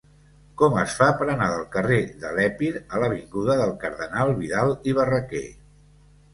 Com es fa per anar del carrer de l'Epir a l'avinguda del Cardenal Vidal i Barraquer?